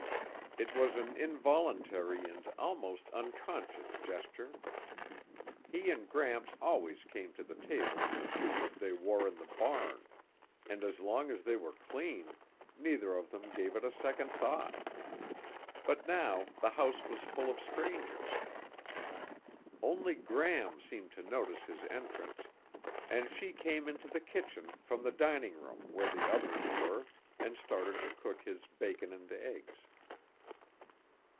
It was an involuntary and almost unconscious gesture. He and Gramps always came to the table in the shoes they wore in the barn, and as long as they were clean, neither of them gave it a second thought. But now the house was full of strangers. Only Gram seemed to notice his entrance and she came into the kitchen from the dining room where the others were and started to cook his bacon and eggs.